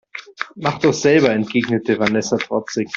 Mach doch selber, entgegnete Vanessa trotzig.